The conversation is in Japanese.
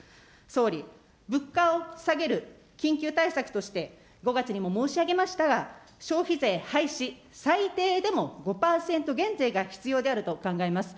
総理、物価を下げる緊急対策として、５月にも申し上げましたが、消費税廃止、最低でも５％減税が必要であると考えます。